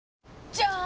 じゃーん！